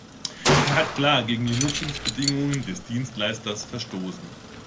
Er hat klar gegen die Nutzungsbedingungen des Dienstleisters verstoßen.